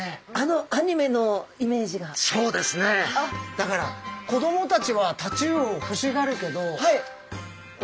だから子どもたちはタチウオを欲しがるけどお母さんたちがね